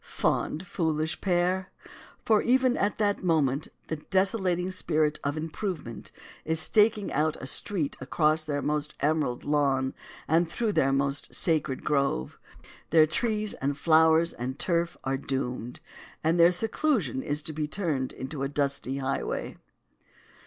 Fond, foolish pair! For even at that moment the desolating spirit of improvement is staking out a street across their most emerald lawn and through their most sacred grove; their trees and flowers and turf are doomed, and their seclusion is to be turned into a dusty highway.